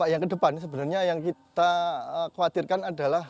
yang kedepan sebenarnya yang kita khawatirkan adalah